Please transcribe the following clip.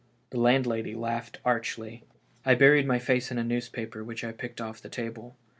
The landlady laughed archly. I buried my face in a newspaper which I picked off* the table.